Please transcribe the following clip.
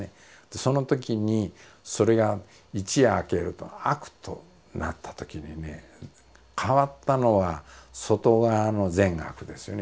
そのときにそれが一夜明けると悪となったときにね変わったのは外側の善悪ですよね。